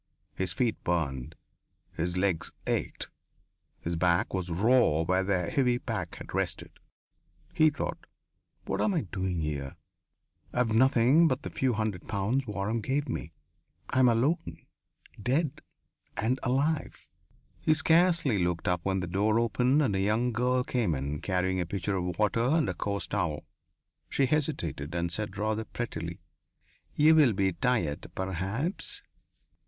His feet burned, his legs ached, his back was raw where the heavy pack had rested. He thought: "What am I doing here? I have nothing but the few hundred pounds Waram gave me. I'm alone. Dead and alive." He scarcely looked up when the door opened and a young girl came in, carrying a pitcher of water and a coarse towel. She hesitated and said rather prettily: "You'll be tired, perhaps?"